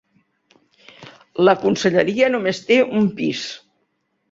La Conselleria només té un pis.